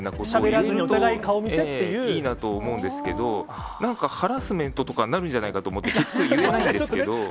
しゃべらずにお互い顔見せ合いいなと思うんですけど、なんか、ハラスメントとかになるんじゃないかと思って、結局、言えないんですけど。